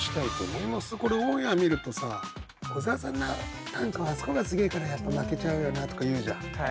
これオンエア見るとさ「小沢さんの短歌はあそこがすげえからやっぱ負けちゃうよな」とか言うじゃん。